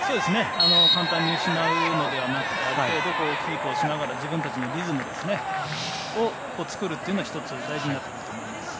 簡単に失うのではなくてキープをしながら自分たちのリズムを作るのが１つ大事になってくると思います。